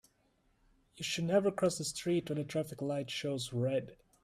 You should never cross the street when the traffic light shows red.